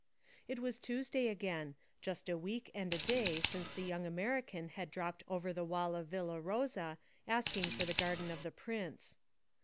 It was Tuesday again, just a week and a day since the young American had dropped over the wall of Villa Rosa asking for the garden of the prince.